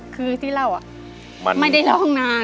คือที่เล่าไม่ได้ร้องนาน